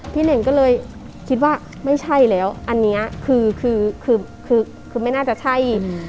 เน่งก็เลยคิดว่าไม่ใช่แล้วอันนี้คือคือไม่น่าจะใช่